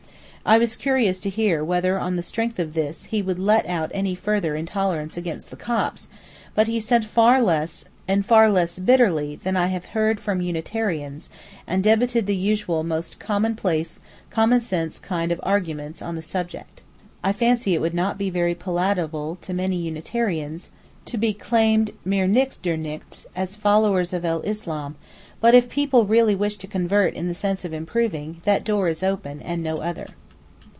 I was curious to hear whether on the strength of this he would let out any further intolerance against the Copts, but he said far less and far less bitterly than I have heard from Unitarians, and debited the usual most commonplace, common sense kind of arguments on the subject. I fancy it would not be very palatable to many Unitarians, to be claimed mir nichts dir nichts as followers of el Islam; but if people really wish to convert in the sense of improving, that door is open, and no other.